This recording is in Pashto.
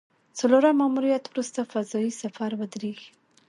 څلورم ماموریت وروسته فضايي سفر ودرېږي